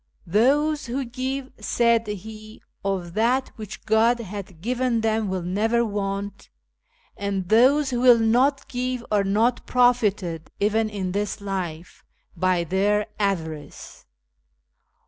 " Those who give," said he, " of that which God hath given them will never want, and those who will not give are not profited, even in this life, by their avarice.